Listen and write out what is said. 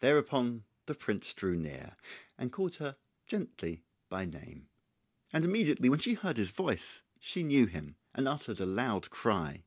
Thereupon the prince drew near, and called her gently by name; and immediately when she heard his voice she knew him, and uttered a loud cry.